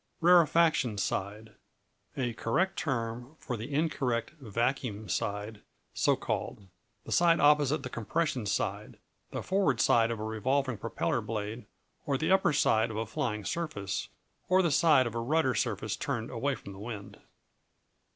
Rarefaction Side A correct term for the incorrect "vacuum side," so called. The side opposite the compression side: the forward side of a revolving propeller blade, or the upper side of a flying surface, or the side of a rudder surface turned away from the wind.